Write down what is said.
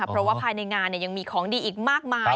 เพราะว่าภายในงานยังมีของดีอีกมากมาย